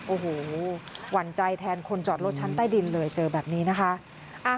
โอ้โหหวั่นใจแทนคนจอดรถชั้นใต้ดินเลยเจอแบบนี้นะคะ